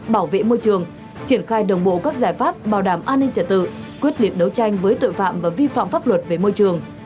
bảo vệ môi trường triển khai đồng bộ các giải pháp bảo đảm an ninh trả tự quyết liệt đấu tranh với tội phạm và vi phạm pháp luật về môi trường